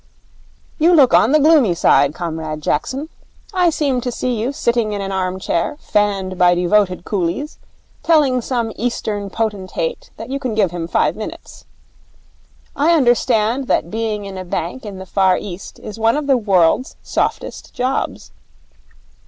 'You look on the gloomy side, Comrade Jackson. I seem to see you sitting in an armchair, fanned by devoted coolies, telling some Eastern potentate that you can give him five minutes. I understand that being in a bank in the Far East is one of the world's softest jobs.